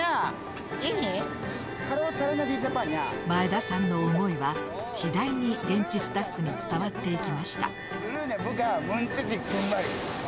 前田さんの思いは次第に現地スタッフに伝わっていきました。